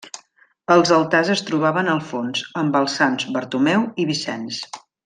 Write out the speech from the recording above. Els altars es trobaven al fons, amb els Sants Bartomeu i Vicenç.